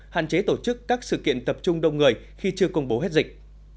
hạn chế tổ chức các sự kiện tập trung đông người khi chưa công bố hết dịch